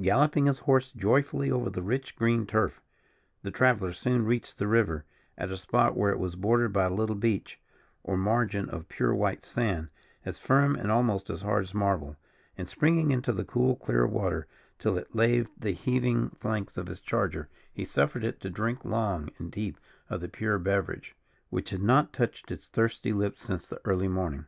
Galloping his horse joyously over the rich green turf, the traveller soon reached the river, at a spot where it was bordered by a little beach or margin of pure white sand, as firm, and almost as hard as marble; and springing into the cool clear water till it laved the heaving flanks of his charger he suffered it to drink long and deep of the pure beverage, which had not touched its thirsty lips since the early morning.